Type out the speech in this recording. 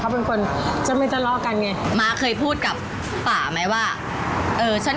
พ่อทำหน้ากามนี้เหรอ